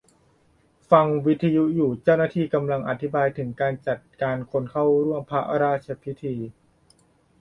ฟังวิทยุอยู่ เจ้าหน้าที่กำลังอธิบายถึงการจัดการคนเข้าร่วมพระราชพิธี